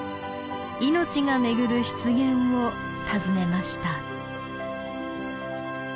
命が巡る湿原を訪ねました。